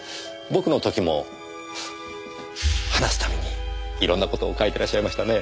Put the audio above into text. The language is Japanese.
僕の時も話すたびにいろんな事を書いてらっしゃいましたね。